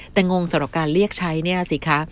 แต่งงสำหรับการเรียกใช้เนี่ยสิคะ